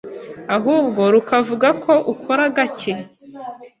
ahubwo rukavuga ko ukora gake